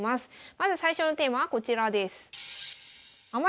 まず最初のテーマはこちらです。